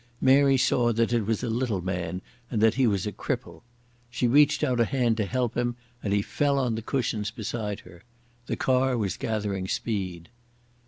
Mary saw that it was a little man and that he was a cripple. She reached a hand to help him, and he fell on to the cushions beside her. The car was gathering speed.